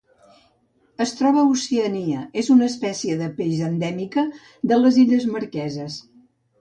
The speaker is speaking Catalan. Es troba a Oceania: és una espècie de peix endèmica de les Illes Marqueses.